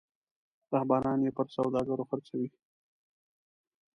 رهبران یې پر سوداګرو خرڅوي.